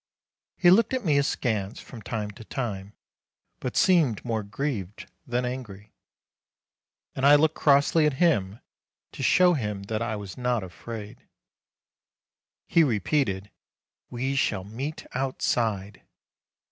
He looked at me askance from time to time, but seemed more grieved than angry. And I looked crossly at him, to show him that I was not afraid. i86 MARCH He repeated, "We shall meet outside